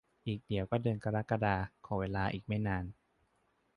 อีกเดี๋ยวก็เดือนกรกฎา ขอเวลาอีกไม่นาน